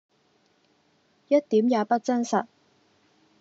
一點也不真實！